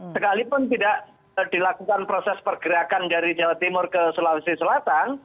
sekalipun tidak dilakukan proses pergerakan dari jawa timur ke sulawesi selatan